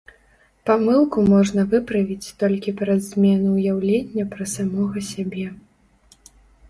Памылку можна выправіць толькі праз змену ўяўлення пра самога сябе.